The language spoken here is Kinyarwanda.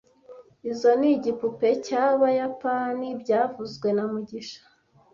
Izoi ni igipupe cyabayapani byavuzwe na mugisha